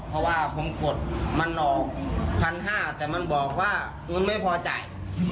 เพราะว่าผมกดมันออก๑๕๐๐บาทแต่มันบอกว่าเงินไม่พอจ่าย